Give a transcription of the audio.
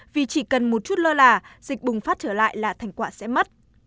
vì chỉ cần một chút lơ là dịch bùng phát trở lại là thành quả sẽ mất